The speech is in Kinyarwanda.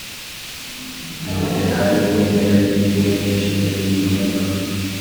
moridekayi mwene yayiri mwene shimeyi mwene